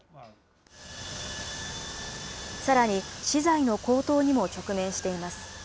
さらに資材の高騰にも直面しています。